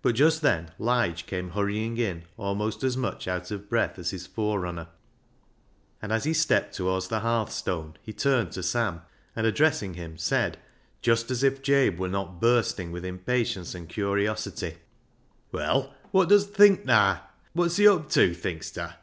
But just then Lige came hurrying in almost as much out of breath as his forerunner, and as he stepped towards the hearthstone, he turned to Sam, and addressing him, said, just as if Jabe were not bursting with impatience and curiosity —" Well, wot dust think, naa ? Wot's he up tew, think's ta ?